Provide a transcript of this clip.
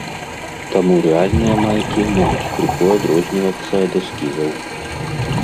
Таму рэальныя майкі могуць крыху адрознівацца ад эскізаў.